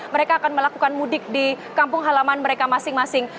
mereka akan melakukan mudik di kampung halaman mereka masing masing